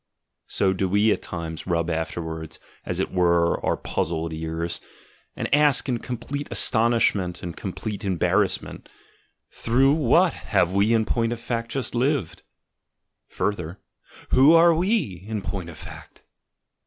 so do we at times rub after wards, as it were, our puzzled ears, and ask in complete astonishment and complete embarrassment, "Through what have we in point of fact just lived?" further, "Who are we in point of fact?"